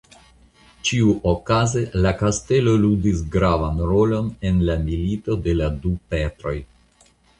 Ĉiuokaze la kastelo ludis gravan rolon en la Milito de la du Petroj.